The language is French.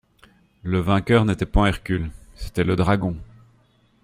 Le vainqueur n'était point Hercule, c'était le Dragon.